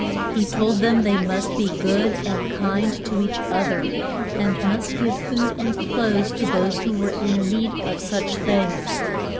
He told them they must be good and kind to each oth er, and must give food and clothes to those who were in need of such things.